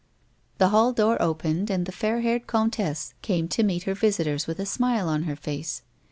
The hall door opened and the fair haired comtesse came to meet her visitors with a smile on her face.